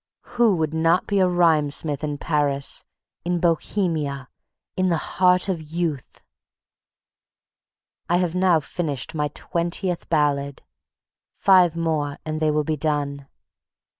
Who would not be a rhymesmith in Paris, in Bohemia, in the heart of youth! I have now finished my twentieth ballad. Five more and they will be done.